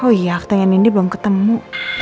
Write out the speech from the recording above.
oh iya hak tangan ini belum ketemu